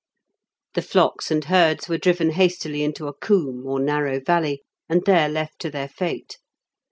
The flocks and herds were driven hastily into a coombe, or narrow valley, and there left to their fate.